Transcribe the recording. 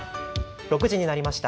６時になりました。